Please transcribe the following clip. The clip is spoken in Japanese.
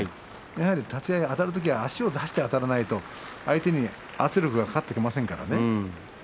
やはり立ち合いあたる時は足を出してあたらないと相手に圧力がかかってきませんからね。